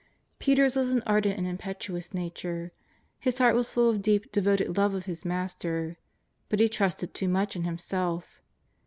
Peter's was an ardent, impetuous nature. His heart was full of deep, devoted love of his Master. But he trusted too much in himself.